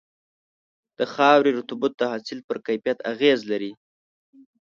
د خاورې رطوبت د حاصل پر کیفیت اغېز لري.